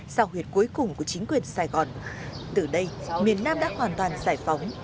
sao huyệt cuối cùng của chính quyền sài gòn từ đây miền nam đã hoàn toàn giải phóng